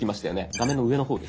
画面の上の方です。